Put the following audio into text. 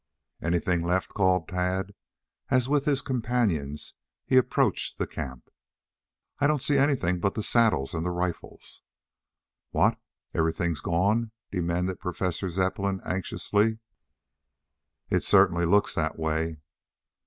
"Anything left?" called Tad, as with his companions he approached the camp. "I don't see anything but the saddles and the rifles." "What, everything gone?" demanded Professor Zepplin anxiously. "It certainly looks that way."